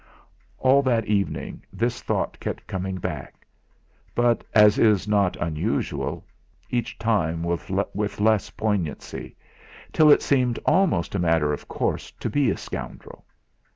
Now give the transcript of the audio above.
All that evening this thought kept coming back; but, as is not unusual, each time with less poignancy, till it seemed almost a matter of course to be a scoundrel.